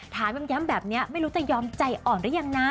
ถามย้ำแบบนี้ไม่รู้จะยอมใจอ่อนหรือยังนะ